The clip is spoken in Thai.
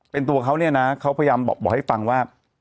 เป็นตัวเขาเนี่ยนะเขาพยายามบอกให้ฟังว่า